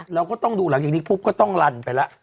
เราก็ต้องดูหลังจากนี้ปุ๊บก็ต้องลันไปแล้ว